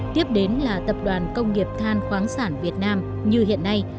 tiếp đến là tập đoàn công nghiệp than khoáng sản việt nam như hiện nay